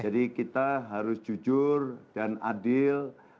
jadi kita harus jujur dan adil untuk mendapatkan kepentingan masyarakat